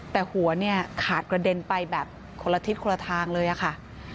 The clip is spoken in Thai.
แต่หัวเนี่ยขาดกระเด็นไปแบบคนละทิศคนละทางเลยอะค่ะ